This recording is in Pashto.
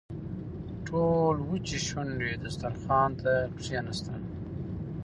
ټول وچې شونډې دسترخوان ته کښېناستل.